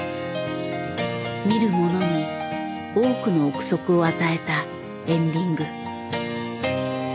見る者に多くの臆測を与えたエンディング。